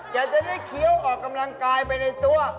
จะได้เคี้ยวออกกำลังกายไปในตัว